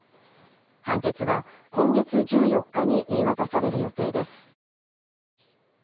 判決は今月１４日に言い渡される予定です。